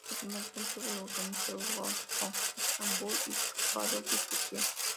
La filmación tuvo lugar en Seúl, Hong Kong, Estambul y Capadocia, Turquía.